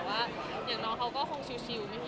แต่ว่าน้องเค้าคงชิวไม่มีมุ่งอะไรมาก